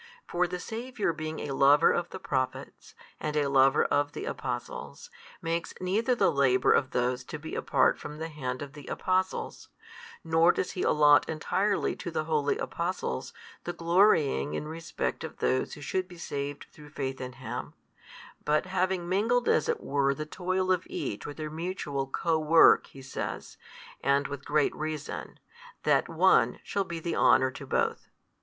For the Saviour being a Lover of the Prophets, and a Lover of the Apostles, makes neither the labour of those to be apart from the hand of the Apostles, nor does He allot entirely to the holy Apostles the glorying in respect of those who should be saved through faith in Him: but having mingled as it were the toil of each with their mutual co work, He says (and with great reason) that one shall be the honour to both.